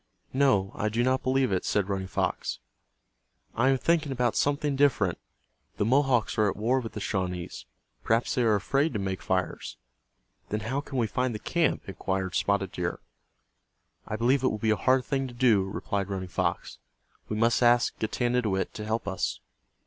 "No, I do not believe it," said Running Fox, "I am thinking about something different. The Mohawks are at war with the Shawnees. Perhaps they are afraid to make fires." "Then how can we find the camp?" inquired Spotted Deer. "I believe it will be a hard thing to do," replied Running Fox. "We must ask Getanittowit to help us."